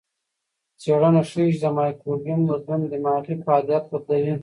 څېړنه ښيي چې د مایکروبیوم بدلون دماغي فعالیت بدلوي.